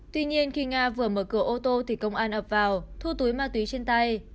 tuy nhiên khi nga vừa mở cửa ô tô thì công an ập vào thu túi ma túy trên tay